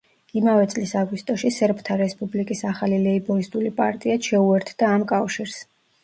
იმავე წლის აგვისტოში სერბთა რესპუბლიკის ახალი ლეიბორისტული პარტიაც შეუერთდა ამ კავშირს.